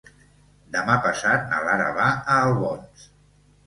Demà passat na Lara va a Albons.